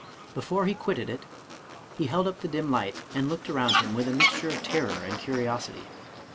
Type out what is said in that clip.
Before he quitted it, he held up the dim light, and looked around him with a mixture of terror and curiosity.